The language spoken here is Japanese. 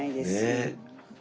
ねえ。